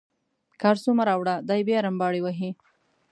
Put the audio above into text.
کارسو مه راوړه دی بیا رمباړې وهي.